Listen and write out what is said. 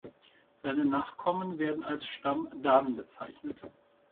Seine Nachkommen werden als Stamm Dan bezeichnet.